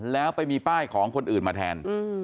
แล้วไปมีป้ายของคนอื่นมาแทน